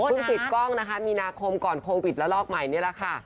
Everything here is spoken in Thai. ปิดกล้องนะคะมีนาคมก่อนโควิดละลอกใหม่นี่แหละค่ะ